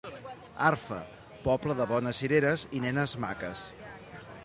Arfa, poble de bones cireres i nenes maques.